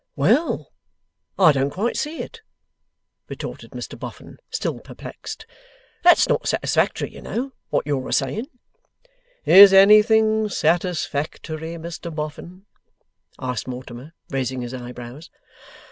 'Well! I don't quite see it,' retorted Mr Boffin, still perplexed. 'That's not satisfactory, you know, what you're a saying.' 'Is Anything satisfactory, Mr Boffin?' asked Mortimer, raising his eyebrows.